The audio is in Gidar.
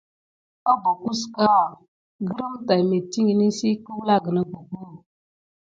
Abok suka pay nasaku ɓebawa telà bebaki dena desane.